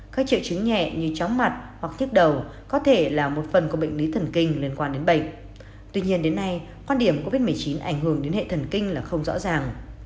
các triệu chứng nhẹ như chóng mặt hoặc tiếc đầu có thể là một phần của bệnh lý thần kinh liên quan đến bệnh tuy nhiên đến nay quan điểm covid một mươi chín ảnh hưởng đến hệ thần kinh là không rõ ràng